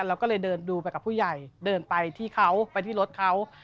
เราก็เลยเดินดูไปกับผู้ใหญ่เดินไปที่เขาไปที่รถเขา